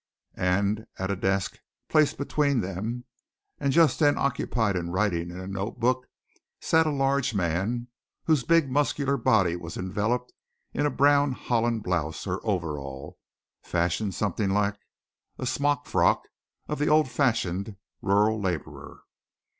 And at a desk placed between them, and just then occupied in writing in a note book, sat a large man, whose big muscular body was enveloped in a brown holland blouse or overall, fashioned something like a smock frock of the old fashioned rural labourer.